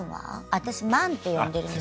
私「マン」って呼んでるんです。